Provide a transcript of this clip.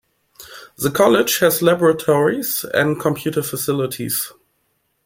The college has laboratories and computer facilities.